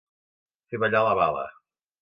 Fer ballar la bala.